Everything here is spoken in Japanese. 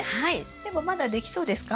でもまだできそうですか？